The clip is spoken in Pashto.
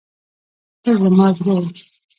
ته زما زړه یې.